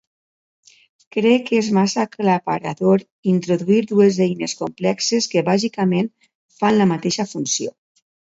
Crec que és massa aclaparador introduir dues eines complexes que bàsicament fan la mateixa funció.